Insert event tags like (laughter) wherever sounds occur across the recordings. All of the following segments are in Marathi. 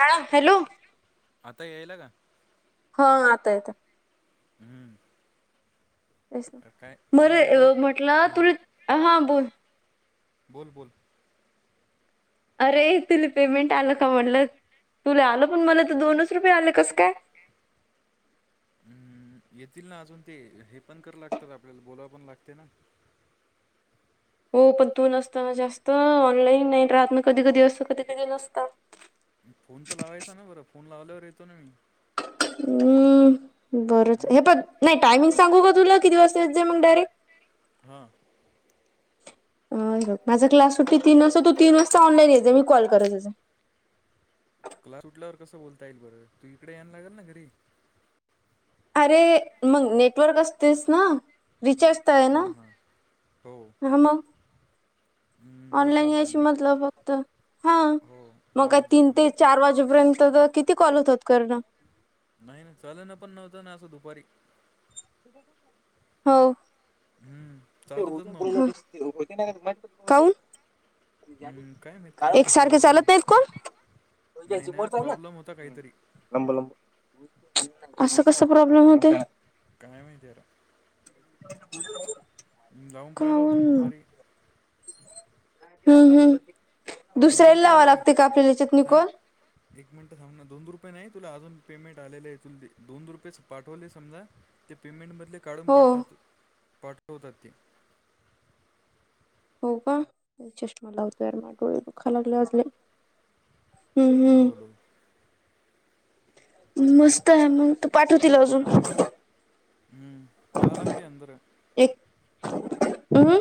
हा हॅलो आता यायला का हा आता येत हम्म अरे काय मर ते नेटवर्क म्हटलं हां तुला हां बोल. बोल बोल. अरे तुला पेमेंट आलं का म्हणलं तुला आलं पण मला तर दोनच रुपये आले कास काय हम् येतील ना अजून ते हे पण करा लागतात आपल्याला बोलावं पण लागते ना. हो पण तू नसताना जास्त ऑनलाईन नाही राहत ना कधी कधी असतं कधी कधी नसत. फोन तर लावायचा ना बरं फोन लावल्यावर येतो ना मी हम्म बरंच हम्म? हे पण नाही टायमिंग सांगू का तुला किती वाजता येतं मग डायरेक्ट हां अ माझा क्लास सुट्ट तीन वाजता तु तीन वाजता ऑनलाइन यायचा मी कॉल करलचं क्लास सुुटल्यावर कसं बोलता येईल बर तू इकडे यायला लागेल ना घरी अरे मग नेटवर्क असतेस ना रिचार्ज तर आहे हां ना हां हो हा मग हम्म, बरं ऑनलाईन चालते यायशी मी ला- मतलब फक्त हा हो मग का लावत तीन जातो मी ते चार वाजेपर्यंत किती कॉल होतात करण नाही नाही चालेना पण नव्हतं ना असं दुपारी हो ह हम्म, चालतच नव्हतं (unintelligible) का हून हम्म, काय माहीत काहीतरी एकसारखे प्रॉब्लेम चालत नाहीत नाही ना कोण प्रॉब्लेम होता (unintelligible) काहीतरी (unintelligible) असं कस प्रॉब्लेम होते काय माहिती यार (inaudible) जावून पाहिला होतो काऊन ना दुपारी हम्म हम्म दोन दुसऱ्याला रुपये लावां आले लागते का आपल्याला याच्यातनी थांब कॉल एक मिनिटं थांब ना दोन रुपये नाही तुला अजून पेमेंट आलेले आहे तुल ते दोन रुपयेच पाठवले समजा ते पेमेंट मधले काढून हो पाठतात पाठवतात ते हो का चष्मा लावतो यार डोळे दुःखा लागले आज लई हम्म हॅलो हम्म हॅलो मस्त आहे मग तू पाठवतील अजून हम्म पालकते अंदर एक हम्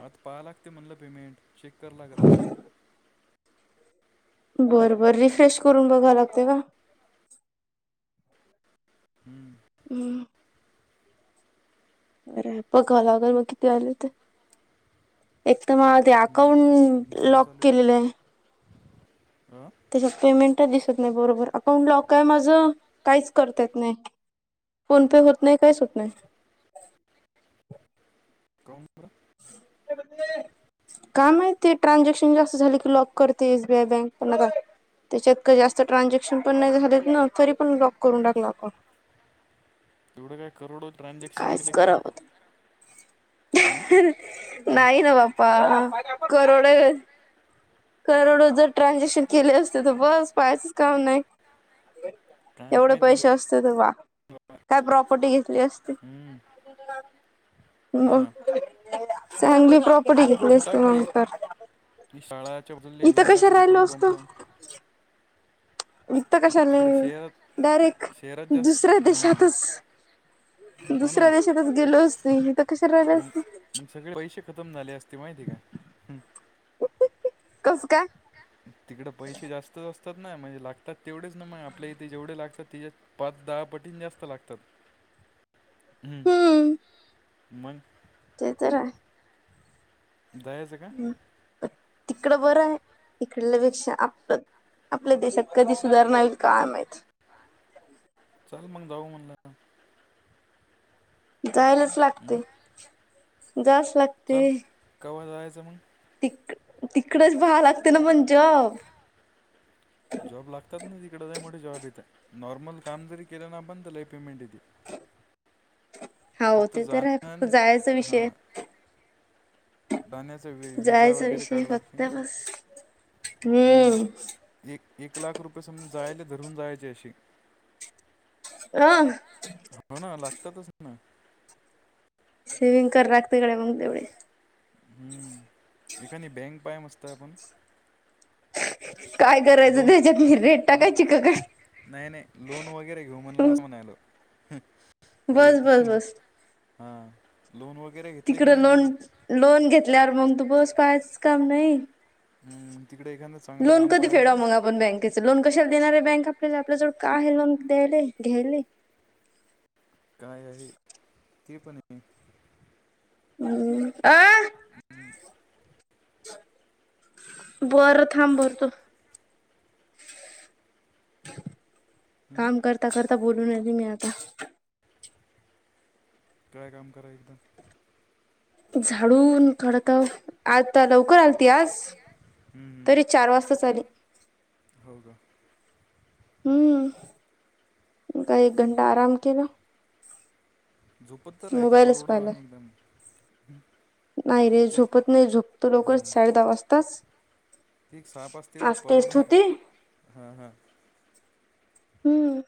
आता पाहा लागते म्हणलं पेमेंट चेक कर लागत असते (inaudible) बरं बरं रिफ्रेश करून बघाव लागते का हम्म हम् अरे बघाला लागल मग किती आले तर एक तर मग ते हम्म. अकाउंट लॉक केलेलं आहे ह त्याच्या पेमेंटच दिसत नाही बरोबर अकाउंट लॉक आहे माझं काहीच करता येत नाही फोन पे होत नाही काहीच होत नाही काहून बर (unintelligible) काय माहिती ट्रान्झॅक्शन जास्त झाले की लॉक करते एसबीआय बँक पण आता त्याच्यात का जास्त ट्रान्झॅक्शन पण नाही झालेत ना तरी पण लॉक करून टाकला अकाउंट एवढं काय करोड ट्रान्झॅक्शन कायच केले काय करावं हमं नाही ना बाप्पा करोडो करोडो जर ट्रान्झॅक्शन केले असते तर बस पाहायचं काम नाही काय एवढे माहित म्हण पैशे असते त बा काय प्रॉपर्टी घेतली असती हम्म, हो मग ना चांगली प्रॉप - - कुठे घेतले घेऊन असते टाक मंग ते तर ती शाळाच्या बाजूला इथं घेऊन टाक कशाला पेट्रोल राहिलो पंप असतो इथं कशाला तिकडे शहरात डायरेक्ट शहरात जास्त दुसऱ्या हा देशातच हो ना दुसऱ्या देशातच गेलो असतो इथं कशाला राहिल म- असतो मग सगळे पैसे खतम झाले असते माहितीय का कसं काय तिकडे पैसे जास्त अस त नाही म्हणजे लागतात तेवढेच ना आपल्या इथे जेवढे लागतात तिच्या पाच दहा पटी जास्त लागतात हम् हम्म मग ते तर आहे (unintelligible) ह तिकड बरं हाय इकडल्यापेक्षा आपलं आपल्या देशात कधी सुधारणा होईल काय माहित चल मंग जाऊ म्हणलं आता जायलाच हम्म. लागते जाच लागते चल कवा जायचं मग तिक तिकडेच पाहा लागते ना जॉब जॉब लागतात ना तिकड लय मोठे जॉब येते नॉर्मल काम जरी केले ना आपण तरी लय पेमेंट देतील हाव ते तर हाय जाणं फक्त आणि- जायचा हां विषय जाण्याचा वि- विजा जायचा वगैरे काढ विषय लागते फक्त बस हम्म एक एक लाख रुपये समज जायला धरून जायचे असे हह हो ना लागतातच ना सेविंग करावं लागतं मग तेवढे हम्म हे काय बँक हाय मस्त आपण काय करायचं लोन त्याच्यात म रेट नाही टाकायची की काय नाही नाही लोण वगैरे घेऊ म्हणल असं म्हणायलो बस रेट बस बस हा लोन वगैरे घ तिकड लोन लोन घेतल्यावर मग तू बस कायच काम नाही हम्म, तिकडे एखादं चांगलं लोन काम कधी फेडवा पाहायचं मग आपण बँकेच लोन कशाला देणार आहे बँक आपल्याला आपल्या जवळ का आहे लोन द्यायले घ्यायले काय आहे ते पणआहे हम्म आ बरं थांब भरतो हम्म, काम करता करता बोलू राहिले आता काय काम करा एकदम झाडून काढताव आज ती लवकर आल त आज हम्म, तरी चार वाजता आली हो का हम्म का एक घंटा आराम केला झोपत तर राह तर मोबाईलच परवडा पाहिलाय आहे एकदम नाही रे ते झोपत नाही झोपतो लवकर साडे दहा वाजताच ठीक साप असते बाय आज टेस्ट परडवना होती ह हां हां हम्म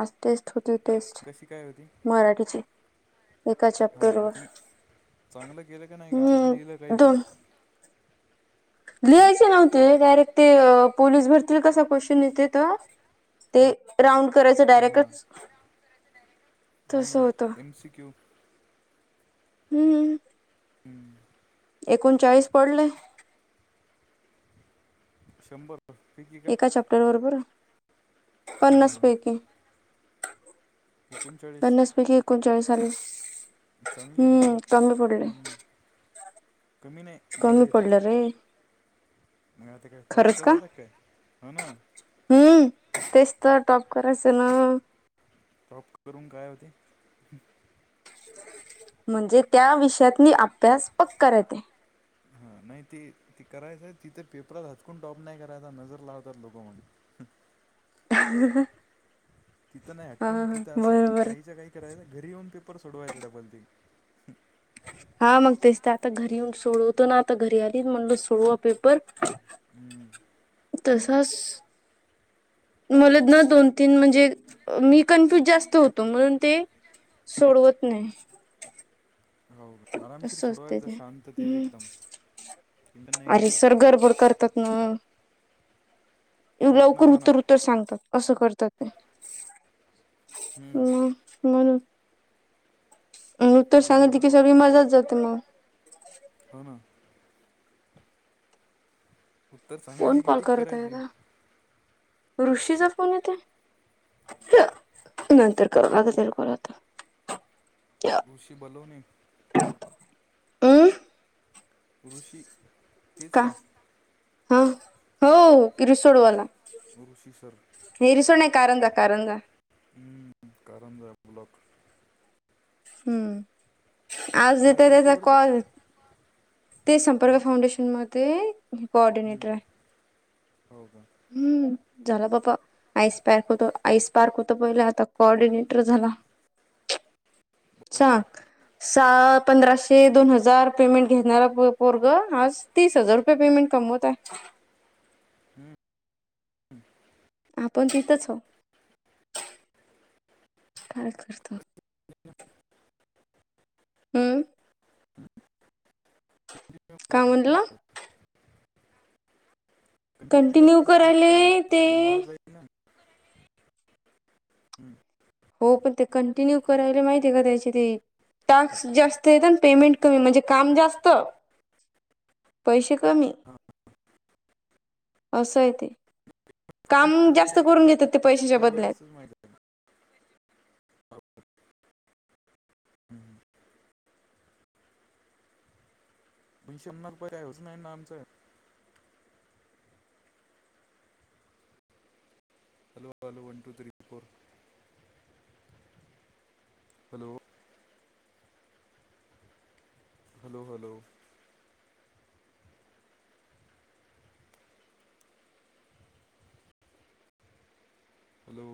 आज टेस्ट होती टेस्ट कशी काय होती मराठीची एका हो चॅप्टर का वर चांग- चांगलं केलं का नाही का असंच हम् लिहिलं काही पण दोन हम्म? लिहायचे नव्हते डायरेक्ट ते पोलीस भरतील कसा क्वेचंन येते तर ते हां राऊंड करायचं हां हां डायरेक्टच तस होतं इनसिक्यू हम्म एकोणचाळीस पडले शंभर पैकी का एका चॅप्टर बरोबर हां पन्नास हां पैकी एकोणचाळीस पन्नास पैकी एकोणचाळीस पडले चांगले ना हम्म मग कमी पडलेय हम्म. (unintelligible) बरे कमी पडलं रे येतंआहे, आता काय टॉप खरंच का करायचा आहे की काय, हा ना, हम्म, तेच तर टॉप करायचं ना, टॉप करून, काय होते, म्हणजे त्या, विषयातली अभ्यास पका राहतंय, हा नाही ते, ती करायचंय तिथे पेपरात, हातकून टॉप नाही करायचा, नजर लावतात लोक म्हणू तिथं नाही, हा हटकून तिथं असं बरोबर काहीच काही, करायच घरी, येऊन पेपर सोडवायचं डबल त, हा मग तेच तर, आता घरी येऊन सोडवतो ना, आता घरी आली म्हणलो सोडवा पेपर, हम्, त सास, मला न दोन, तीन, म्हणजे मी कन्फ्युज जास्त होतो, म्हणून ते सोडवत नाही, हो आरामशीर असं असते सोडवायचा, ते जर शांत हम्म एकदम, टेन्शन नाही अरे, घ्यायचं सर गरबड करतात ना, होत नाही लवकर, म्हणा उत्तर, उत्तर सांगतातअसं करतात ते, हम्म. म म्हणून, उत्तर बरं आहे सांगलकी बा ति, सगळी मजाच जाते मग, हो ना, उत्तर सांगायचे कोन की कॉल टिक करत करायची आहेताना, ऋषीचा फोन येते! नंतर कारवा लागेल, तेला कॉल आता, ऋषी बलवणे, हमं, (unintelligible) का, हा, हो किरसोडवाला, ऋषी सर, कारंजा कारंजा हम कारंजा ब्लॉक, हम्म, अजून येत काय करते त्याचा बरं कॉल, ते संपर्क फाउंडेशनमध्ये, हम, हो, का, हम्म, झाला बाबा, आईस पार्क होत, आईस पार्क होत पहिले, आता कोऑर्डिनेटर झाला. (unintelligible) चा, बापरे स पंधराशे, दोन हजार, पेमेंट घेणारा पोरग, आज तीस हजार रुपये, पेमेंट कमवतयआहे, हम्म आपण तिथच हो, काय करता, हम्म, कंटिन्यू काय करायचं म्हटलं, म्हणलं कंटिन्यू करायचं म्हणलं करायले काम ते, असतं मग वाढत जाईल ना हम्म. हो पण ते, कंटिन्यू करायला माहितीय का, त्याची ते टाक्स जास्त येत ना, पेमेंट कमी म्हणजे, काम जास्त पैसे कमी, असं आहे ते, काम तिथून जास्त द्यायचं करून त्या घेतात, ते पैशाच्या बदल्यात. त्यावेळेसच माहिती आहे हम्, (unintelligible) रुपये होचना नाही ना राहाल ना, आमचं. Hello? Hello! One, two, three, four, hello? Hello? Hello! Hello!